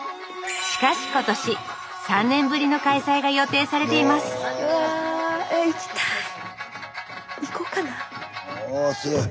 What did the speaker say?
しかし今年３年ぶりの開催が予定されていますえ行きたい！